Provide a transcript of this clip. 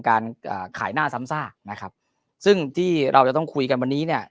การขายหน้าซ้ำซากนะครับซึ่งที่เราจะต้องคุยกันวันนี้เนี่ย